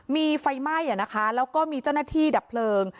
มีไฟไหม้แล้วก็มีเจ้าหน้าที่ดับเพลิง